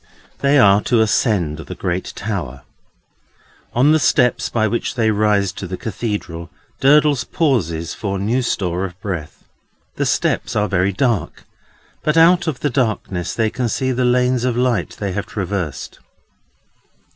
They are to ascend the great Tower. On the steps by which they rise to the Cathedral, Durdles pauses for new store of breath. The steps are very dark, but out of the darkness they can see the lanes of light they have traversed.